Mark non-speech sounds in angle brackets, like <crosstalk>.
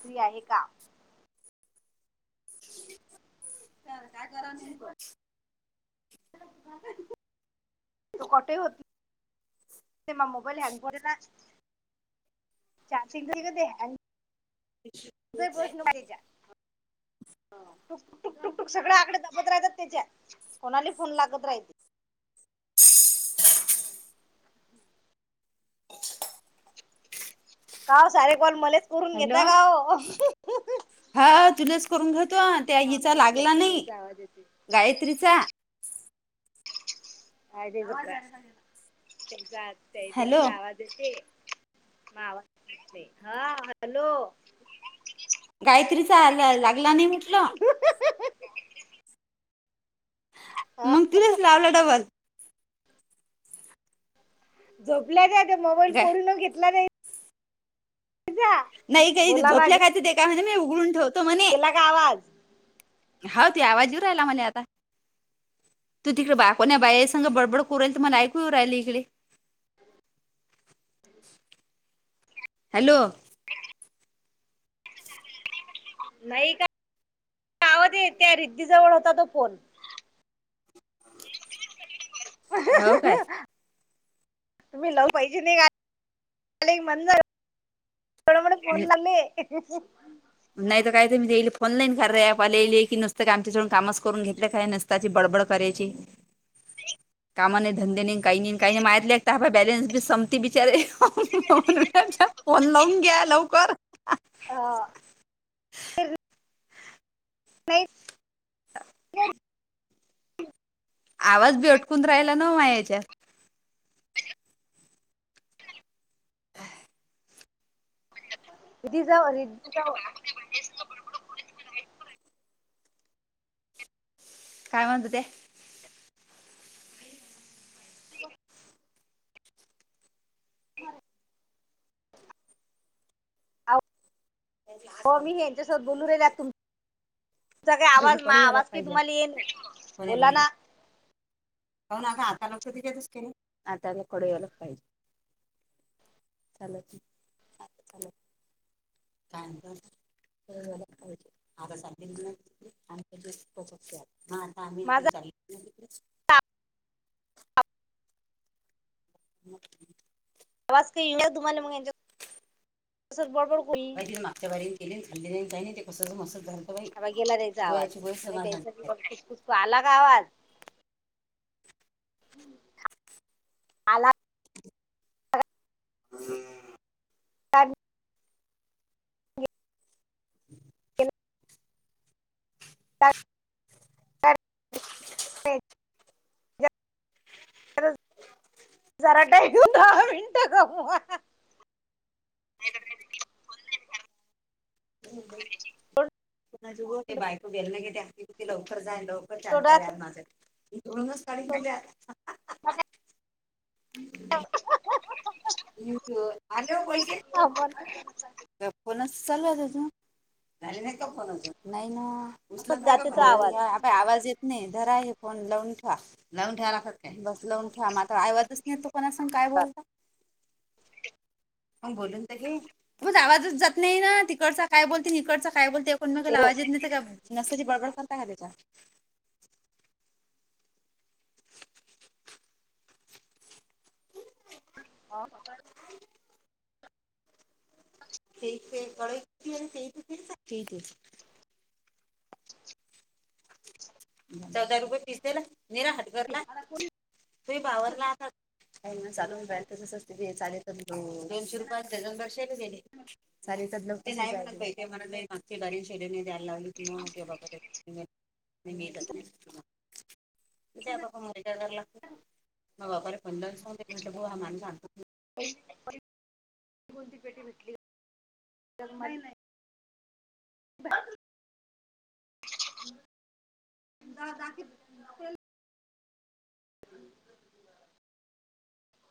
्री आहे का चाल काय करा म कर कटे होत ते मग मोबाईल हँग ब ना चचास इग अच तु प्रश्ण पज टुककक टुक टूक सगळ्या आकडे दाबत राहतात त्याच्या कोणाली फोन लागत राहते का सारे कॉल मलाच करून घेता हॅलो का हा तुलाच करून घेतो त्या हिचा आवाजच जात लागला नाही त्याचा आवाज येते गायत्रीचा अे तेसा आते हॅलो तेसा आवा वाज हा हॅलो गायत्री चा ला लागला नाही म्हटलं मग तिने च लावला डबल झोपल्याच मोबाईल गा पोरून घेतला जाई पूझा नाही काही झोपल्या काय ते का म्ह मी उघडून ठेवतो म्हणे गेला का आवाज हाव ते आवाज ऐवू राहिला म्हले आता तू तिकडे बाया कोण्या बाईस सगं बडबड कोरुत मला ऐकूऊ राहिली इकडे हॅलो नाही का आवज ये त्या रिद्दी जवळ होता तो फोन हाव काय तुम्ही लव पाहिजे नाही का मांजर तड म्हण फणलामे <inaudible> नाही तर काय तर मी तेई फोनलाईन कर र आप आलालेले की नसतते कामच्याड काम करून घेतलं काय नसते. त्याची बडबड करायची कामाने धंदेने काही नाही काही नाही माारितले एक बॅलेन्स बी संपती बिचारे फोन लावून घ्या लवकर हा <inaudible> नाही <inaudible> आवाज बी अटकून राहिला न माया येच्यात रदी जाऊ रदी जाऊ काय म्हणता ते ह <inaudible> हो मी हेच्यासोबत बोलू राहिल्यात तुम तुमचा काय पहिली आवाज मा कडे अलग आवाज काही पाहिजे तुम्हाला येईल बोला ना हो ना आता लागतो तिच्यातच केले आताला कड आलाच पाहिजे चाले आता चालो का आता <unintelligible> आम दु आता माझा आम्हीच मग आवाज का ईना तुम्हाला मग हेच्या अस बडबड मागच्या वारी केली खाल्ली काही नाही ते कस मसत झाले अता गेलारे हिचा आवाज नाही त्याचा झाली खूप पुस आला का आवाज आला का हम् त्या <inaudible> ह <inaudible> ते <unintelligible> <unintelligible> जरा टईम दहा मिनटं गमवा हो <unintelligible> ज बायको गेल नाही घेे हग कती लवकर जाई लवकर थोडा जातायाल माझं दोनच काढुन ठुवल्यात हम् <unintelligible> <unintelligible> ट्यूब आले ओ पैसे- हो हो ना फोनच चालू आहेता अजून झाले नाही का फोन आजून नाही ना उचलत नाही का जाते तो कधी आवाज आता आवाज येत नाही धरा हे फोन लावून ठेवा लावून ठ्यावायला ला कात काय बस लावून ठ्यावा मात्र आईवादच नाही तो कोणा सांग काय बोलता. बोलून द घेऊ म आवाजच जात नाही ना तिकडचा काय बोलते इिकडच काय बोलते. पण मग ते काला आवाजीेत नाही तर का नसत्याची बडबड करता का त्याच्यात हो ना <unintelligible> <unintelligible> <unintelligible> <unintelligible> <unintelligible> <unintelligible> <unintelligible> <unintelligible> <unintelligible>